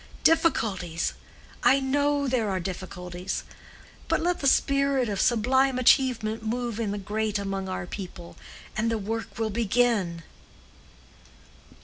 Difficulties? I know there are difficulties. But let the spirit of sublime achievement move in the great among our people, and the work will begin."